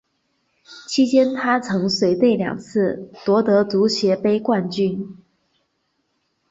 期间她曾随队两次夺得足协杯冠军。